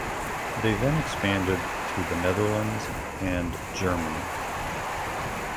They then expanded to the Netherlands and Germany.